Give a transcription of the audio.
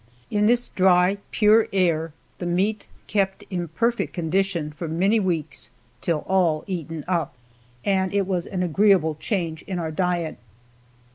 In this dry, pure air the meat kept in perfect condition for many weeks till all eaten up, and it was an agreeable change in our diet.